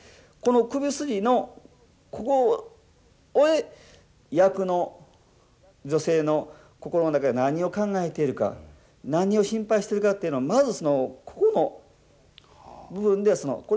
この首筋のここへ役の女性の心の中で何を考えているか何を心配してるかっていうのをまずここの部分でその。